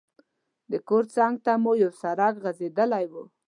د کور څنګ ته مو یو سړک غځېدلی وو.